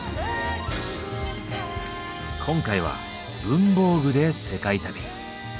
今回は文房具で世界旅。